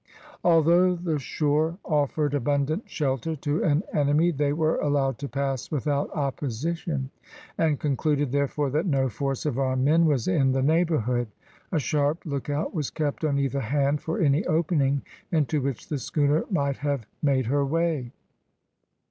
Although the shore offered abundant shelter to an enemy they were allowed to pass without opposition, and concluded therefore that no force of armed men was in the neighbourhood. A sharp lookout was kept on either hand for any opening into which the schooner might have made her way.